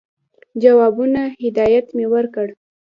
جوابونو هدایت مي ورکړ.